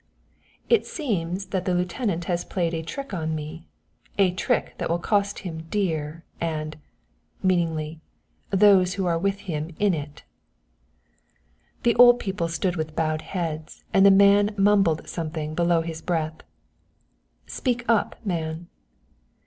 "It seems that the lieutenant has played a trick on me a trick that will cost him dear and," meaningly, "those who are with him in it." The old people stood with bowed heads and the man mumbled something below his breath. "Speak up, man."